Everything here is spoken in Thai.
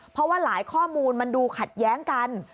เพราะว่าหลายข้อมูลมันดูขัดแย้งกัน